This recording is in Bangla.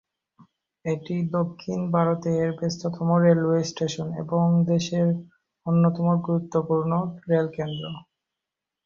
এটি দক্ষিণ ভারতের ব্যস্ততম রেলওয়ে স্টেশন এবং দেশের অন্যতম গুরুত্বপূর্ণ রেল কেন্দ্র।